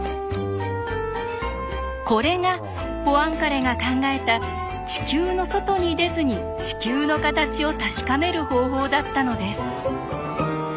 これがポアンカレが考えた地球の外に出ずに地球の形を確かめる方法だったのです。